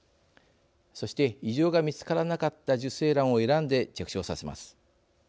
そして異常が見つからなかった受精卵を選んで着床させます。